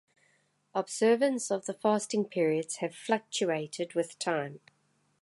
Observance of the fasting periods have fluctuated with time.